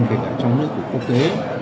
kể cả trong nước và quốc tế